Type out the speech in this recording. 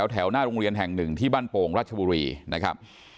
แถวหน้าโรงเรียนแห่งหนึ่งที่บ้านโป่งรัชบุรีนะครับ